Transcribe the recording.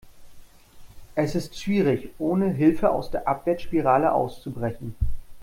Es ist schwierig, ohne Hilfe aus der Abwärtsspirale auszubrechen.